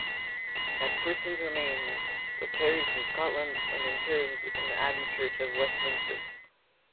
Macpherson's remains were carried from Scotland and interred in the Abbey Church of Westminster.